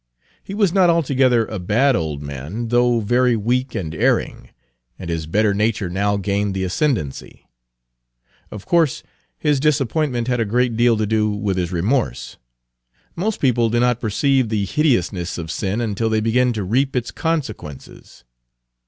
He was not altogether a bad old man, though very weak and erring, and his better nature now gained the ascendancy. Of course his disappointment had a great deal to do with his remorse; most people do not perceive the hideousness of sin until they begin to reap its consequences.